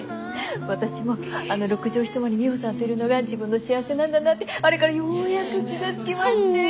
私もあの６畳一間にミホさんといるのが自分の幸せなんだなってあれからようやく気が付きまして。